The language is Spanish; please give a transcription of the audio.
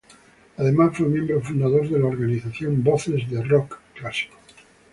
Además fue miembro fundador de la organización Voces de Rock clásico.